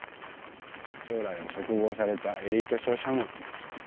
将来を嘱望されたエリート商社マン。